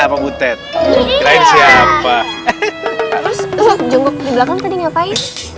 terus ustadz jenggok di belakang tadi ngapain